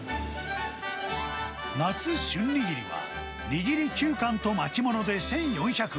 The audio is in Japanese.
夏旬にぎりは、握り９貫と巻き物で１４００円。